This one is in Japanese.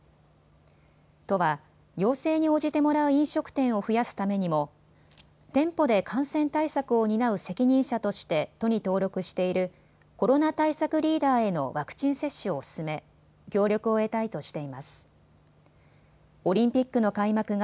都は要請に応じてもらう飲食店を増やすためにも店舗で感染対策を担う責任者として都に登録しているコロナ対策リーダーへのワクチン接種を進め協力を得たいとしています。